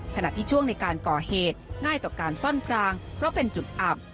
ขณะที่ช่วงในการก่อเหตุง่ายต่อการซ่อนพรางเพราะเป็นจุดอับ